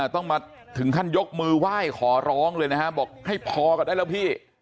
ต้องมาถึงขั้นยกมือไหว้ขอร้องเลยนะฮะบอกให้พอกันได้แล้วพี่